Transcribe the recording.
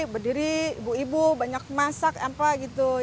berdiri ibu ibu banyak masak empa gitu